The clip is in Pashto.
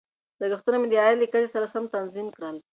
لګښتونه مې د عاید له کچې سره سم تنظیم کړل.